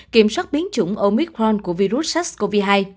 kiểm soát biến chủng omicron của virus sars cov hai